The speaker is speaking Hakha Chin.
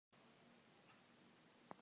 Ka santlaihlonak nih an di a riamh ngai hna.